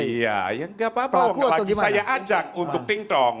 iya ya gak apa apa lagi saya ajak untuk ting tong